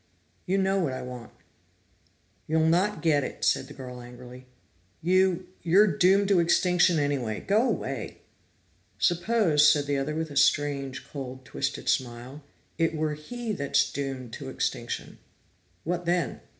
"You know what I want." "You'll not get it," said the girl angrily. "You you're doomed to extinction, anyway! Go away!" "Suppose," said the other with a strange, cold, twisted smile, "it were he that's doomed to extinction what then?"